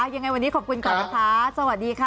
ยังไงวันนี้ขอบคุณก่อนนะคะสวัสดีค่ะ